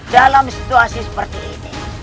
dalam situasi seperti ini